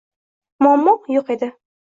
Muammo "yo‘q" edi.